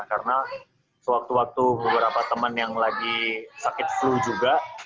karena sewaktu waktu beberapa teman yang lagi sakit flu juga